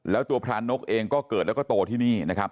แล้วตัวพระนกเองก็เกิดแล้วก็โตที่นี่นะครับ